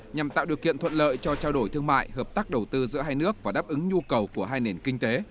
nhằm tạo điều kiện thuận lợi cho trao đổi thương mại hợp tác đầu tư giữa hai nước và đáp ứng nhu cầu của hai nền kinh tế